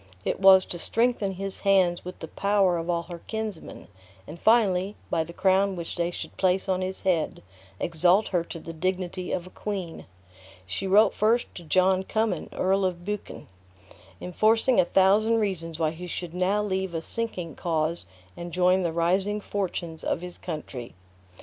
It was to strengthen his hands with the power of all her kinsmen; and finally, by the crown which they should place on his head, exalt her to the dignity of a queen. She wrote first to John Cummin, Earl of Buchan, enforcing a thousand reasons why he should now leave a sinking cause and join the rising fortunes of his country.